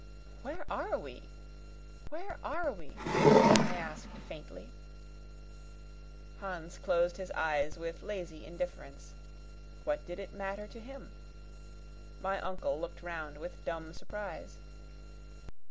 "Where are we? Where are we?" I asked faintly. Hans closed his eyes with lazy indifference. What did it matter to him? My uncle looked round with dumb surprise.